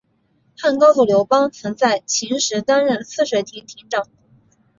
汉高祖刘邦曾在秦时担任泗水亭亭长。